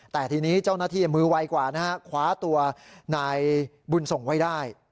แต่ทีนี้เจ้าหน้าที่มือไวกว่านะฮะคว้าตัวนายบุญส่งไว้ได้